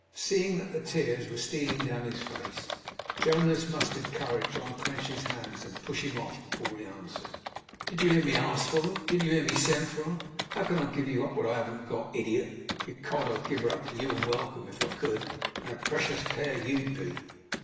Seeing that the tears were stealing down his face, Jonas mustered courage to unclench his hands, and push him off before he answered: 'Did you hear me ask for her? Did you hear me send for her? How can I give you up what I haven't got, idiot! Ecod, I'd give her up to you and welcome, if I could; and a precious pair you'd be!